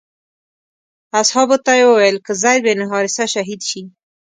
اصحابو ته یې وویل که زید بن حارثه شهید شي.